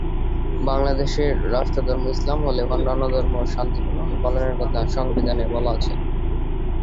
বাংলাদেশের রাষ্ট্রধর্ম ইসলাম হলেও অন্যান্য ধর্ম শান্তিপূর্ণভাবে পালনের কথা সংবিধানে বলা আছে।